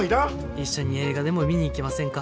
一緒に映画でも見に行きませんか？